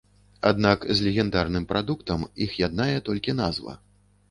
Аднак з легендарным прадуктам іх яднае толькі назва.